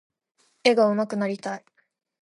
絵が上手くなりたい。